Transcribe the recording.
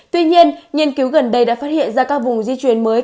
tuy nhiên nghiên cứu gần đây đã phát hiện ra các vùng di chuyển mới